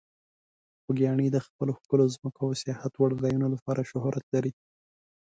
خوږیاڼي د خپلو ښکلو ځمکو او سیاحت وړ ځایونو لپاره شهرت لري.